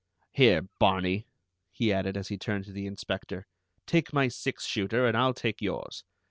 Here, Barney," he added as he turned to the Inspector, "take my six shooter, and I'll take yours.